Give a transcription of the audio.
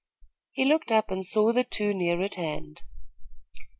He looked up and saw the two near at hand.